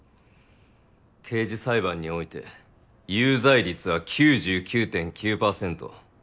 刑事裁判において有罪率は９９．９％。